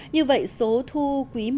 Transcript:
như vậy số thu quý một